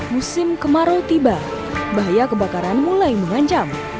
musim kemarau tiba bahaya kebakaran mulai mengancam